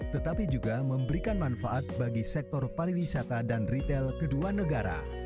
tetapi juga memberikan manfaat bagi sektor pariwisata dan retail kedua negara